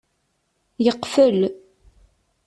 Yeqfel.